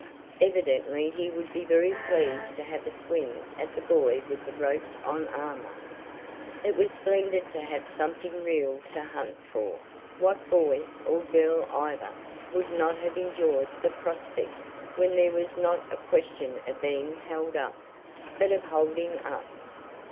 Evidently he would be very pleased to have a swing at the boy with the roped on armor. It was splendid to have something real to hunt for what boy, or girl either, would not have enjoyed the prospect when there was not a question of being held up, but of holding up?